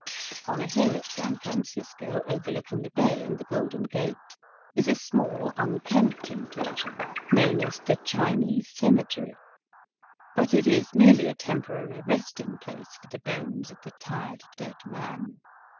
On a hill at San Francisco, overlooking the bay and the Golden Gate, is a small unkempt enclosure known as the Chinese cemetery. But it is merely a tem porary resting place for the bones of the tired dead man.